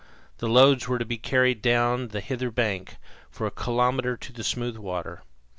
The loads were to be carried down the hither bank, for a kilometre, to the smooth water.